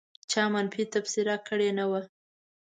چا منفي تبصره کړې نه وه.